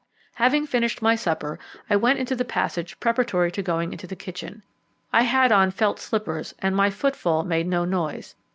Having finished my supper, I went into the passage preparatory to going into the kitchen. I had on felt slippers, and my footfall made no noise.